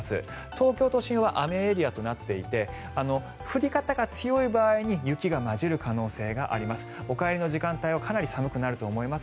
東京都心は雨エリアとなっていて降り方が強い場合に雪が交じる可能性があります。